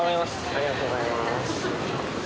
ありがとうございます。